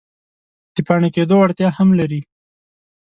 د پاڼې کیدو وړتیا هم لري.